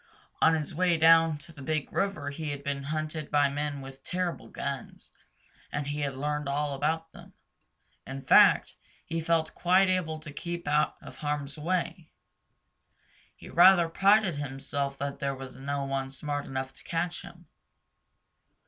On his way down to the Big River he had been hunted by men with terrible guns, and he had learned all about them. In fact, he felt quite able to keep out of harm's way. He rather prided himself that there was no one smart enough to catch him.